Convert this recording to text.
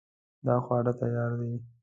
دا خواړه تیار دي